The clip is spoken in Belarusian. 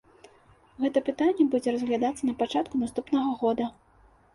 Гэта пытанне будзе разглядацца на пачатку наступнага года.